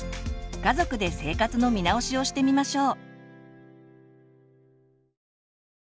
家族で生活の見直しをしてみましょう。